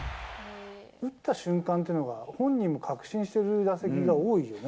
打った瞬間っていうのが、本人も確信してる打席が多いよね。